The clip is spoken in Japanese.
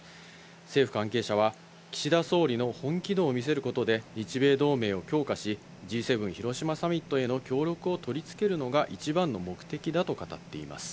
政府関係者は、岸田総理の本気度を見せることで、日米同盟を強化し、Ｇ７広島サミットへの協力を取り付けるのが一番の目的だと語っています。